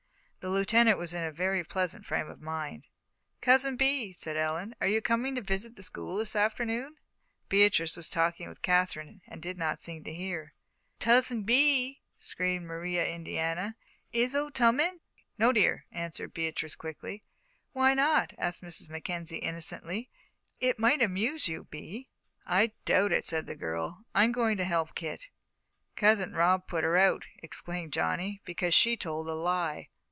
The Lieutenant was in a very pleasant frame of mind. "Cousin Bee," said Ellen, "are you coming to visit the school this afternoon?" Beatrice was talking with Katherine and did not seem to hear. "Tuzzin Bee," screamed Maria Indiana, "is oo tummin?" "No, dear," answered Beatrice, quickly. "Why not?" asked Mrs. Mackenzie, innocently; "it might amuse you, Bee." "I doubt it," said the girl. "I'm going to help Kit." "Cousin Rob put her out," explained Johnny, "because she told a lie."